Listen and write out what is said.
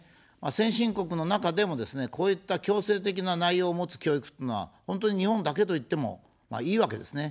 先進国の中でもですね、こういった強制的な内容を持つ教育というのは本当に日本だけといってもいいわけですね。